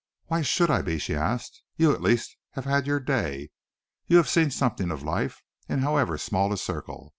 "Why should I be?" she asked. "You, at least, have had your day. You have seen something of life, in however small a circle.